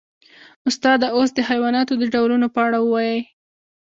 استاده اوس د حیواناتو د ډولونو په اړه ووایئ